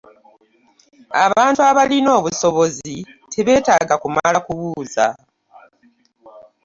abantu abalina obusobozi tebeetaaga kumala kubuuza.